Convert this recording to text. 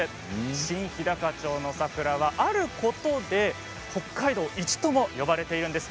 新ひだか町の桜は、あることで北海道一とも呼ばれているんです。